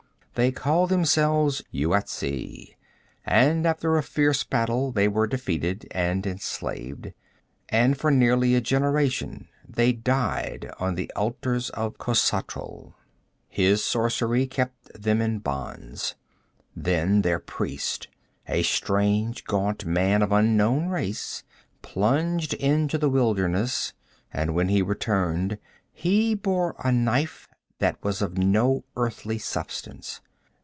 They called themselves Yuetshi, and after a fierce battle they were defeated and enslaved, and for nearly a generation they died on the altars of Khosatral. His sorcery kept them in bonds. Then their priest, a strange gaunt man of unknown race, plunged into the wilderness, and when he returned he bore a knife that was of no earthly substance.